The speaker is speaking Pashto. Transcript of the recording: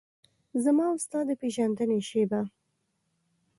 زما او ستا د پیژندنې شیبه